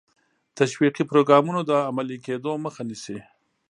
تشویقي پروګرامونو د عملي کېدو مخه نیسي.